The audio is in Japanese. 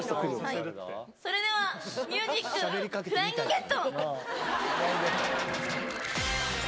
それではミュージック、フライングゲット。